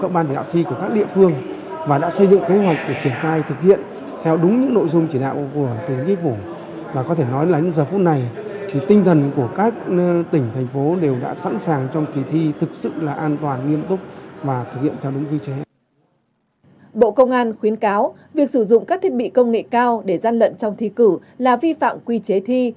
bộ công an khuyến cáo việc sử dụng các thiết bị công nghệ cao để gian lận trong thi cử là vi phạm quy chế thi